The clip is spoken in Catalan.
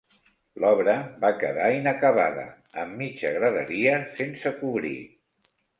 L'obra va quedar inacabada, amb mitja graderia sense cobrir.